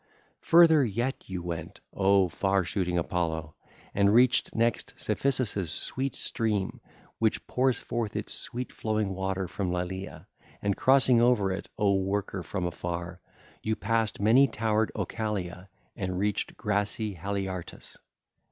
(ll. 239 243) Further yet you went, O far shooting Apollo, and reached next Cephissus' sweet stream which pours forth its sweet flowing water from Lilaea, and crossing over it, O worker from afar, you passed many towered Ocalea and reached grassy Haliartus.